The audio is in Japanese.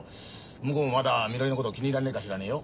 向こうもまだみのりのこと気に入らねえかしらねえよ。